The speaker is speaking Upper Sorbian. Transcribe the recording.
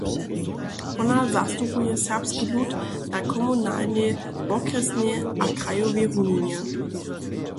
Wona zastupuje serbski lud na komunalnej, wokrjesnej a krajowej runinje.